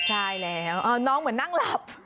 ใช่แล้วน้องเหมือนนั่งหลับ